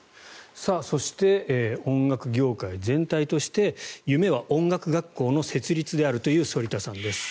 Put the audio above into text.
そして音楽業界全体として夢は音楽学校の設立であるという反田さんです。